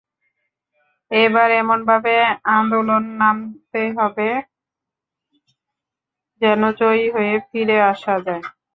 এবার এমনভাবে আন্দোলন নামতে হবে, যেন জয়ী হয়ে ফিরে আসা যায়।